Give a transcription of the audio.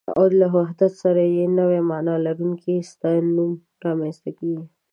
او له وحدت سره يې نوې مانا لرونکی ستاينوم رامنځته کېږي